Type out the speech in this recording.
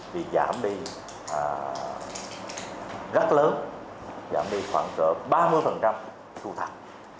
vì giảm đi rất lớn giảm đi khoảng ba mươi thu thạc